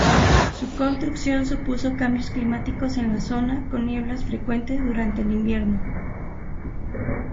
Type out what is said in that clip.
Su construcción supuso cambios climáticos en la zona, con nieblas frecuentes durante el invierno.